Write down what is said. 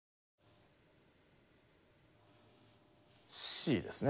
Ｃですね